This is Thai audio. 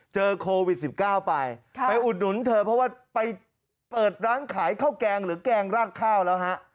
เจอโควิด๑๙ไปไปอุดหนุนเธอเพราะว่าไปเปิดร้านขายข้าวแกงหรือแกงราดข้าวแล้วฮะ